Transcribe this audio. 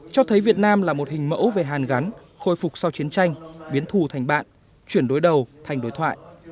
cho thấy việt nam là một hình mẫu về hàn gắn khôi phục sau chiến tranh biến thù thành bạn chuyển đối đầu thành đối thoại